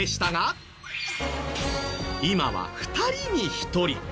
今は２人に１人。